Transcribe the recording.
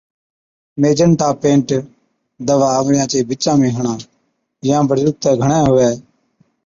ميجنٽا پينٽ Magenta Paint دَوا انگڙِيان چي بِچا ۾ هڻا يان بڙي ڏُکتَي گھڻَي هُوَي